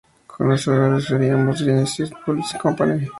Conoce a Jan Scott Frasier, y ambos fundan "Genesis Digital Publishing Company".